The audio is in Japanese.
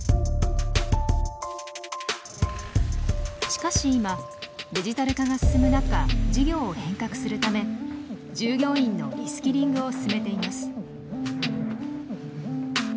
しかし今デジタル化が進む中事業を変革するため従業員のリスキリングを進めています。